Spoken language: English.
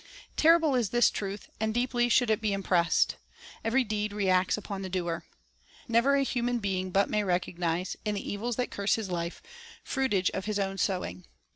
3 Terrible is this truth, and deeply should it be im pressed. Every deed reacts upon the doer. Never a human being but may recognize, in the evils that curse his life, fruitage of his own sowing.